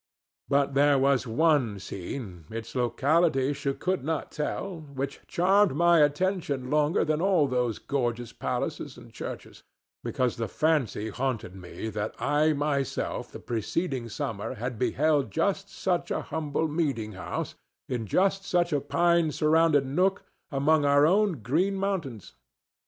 But there was one scene—its locality she could not tell—which charmed my attention longer than all those gorgeous palaces and churches, because the fancy haunted me that I myself the preceding summer had beheld just such a humble meeting house, in just such a pine surrounded nook, among our own green mountains.